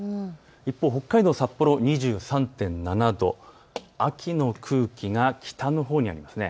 一方、北海道札幌２３．７度、秋の空気が北のほうにあります。